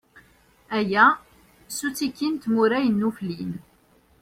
Aya, s uttiki n tmura yennuflin.